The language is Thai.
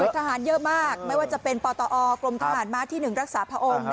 ทหารเยอะมากไม่ว่าจะเป็นปตอกรมทหารม้าที่๑รักษาพระองค์